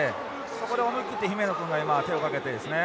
そこで思い切って姫野君が今手をかけてですね。